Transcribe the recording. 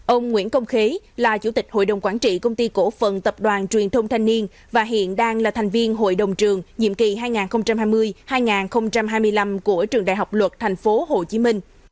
ông nguyễn công khế là chủ tịch hội đồng quản trị công ty cổ phần tập đoàn truyền thông thanh niên và hiện đang là thành viên hội đồng trường nhiệm kỳ hai nghìn hai mươi hai nghìn hai mươi năm của trường đại học luật tp hcm